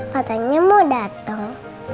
katanya mau dateng